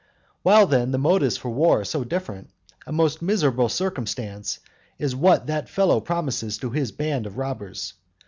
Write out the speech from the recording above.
While, then, the motives for war are so different, a most miserable circumstance is what that fellow promises to his band of robbers.